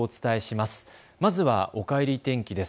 まずはおかえり天気です。